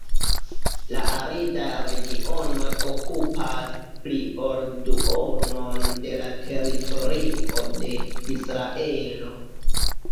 La aridaj regionoj okupas pli ol duonon de la teritorio de Israelo.